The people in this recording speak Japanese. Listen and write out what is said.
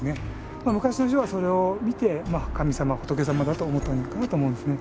まあ昔の人はそれを見て神様仏様だと思ったんじゃないかなと思うんですね。